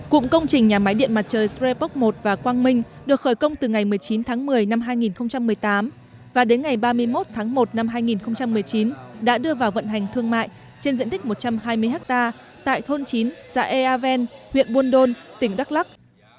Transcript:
cụm công trình nhà máy điện mặt trời srepoc một và quang minh được khởi công từ ngày một mươi chín tháng một mươi năm hai nghìn một mươi tám và đến ngày ba mươi một tháng một năm hai nghìn một mươi chín đã đưa vào vận hành thương mại trên diện tích một trăm hai mươi ha tại thôn chín xã ea ven huyện buôn đôn tỉnh đắk lắc